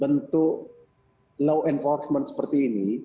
bentuk law enforcement seperti ini